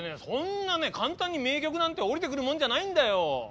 そんなね簡単に名曲なんて降りてくるもんじゃないんだよ。